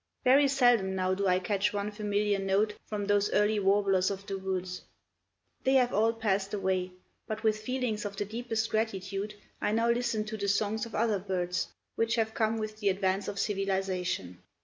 Very seldom now do I catch one familiar note from those early warblers of the woods. They have all passed away, but with feelings of the deepest gratitude I now listen to the songs of other birds which have come with the advance of civilization.